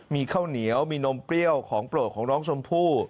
มีข้าวเหนียวมีนมเปรี้ยวของโปรดของน้องชมพู่